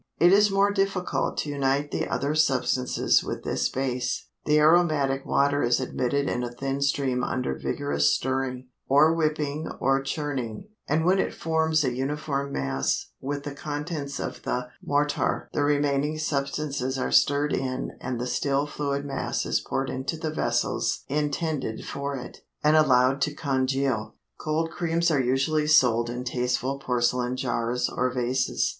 It is more difficult to unite the other substances with this base; the aromatic water is admitted in a thin stream under vigorous stirring (or whipping, or churning), and when it forms a uniform mass with the contents of the mortar the remaining substances are stirred in and the still fluid mass is poured into the vessels intended for it, and allowed to congeal. Cold creams are usually sold in tasteful porcelain jars or vases.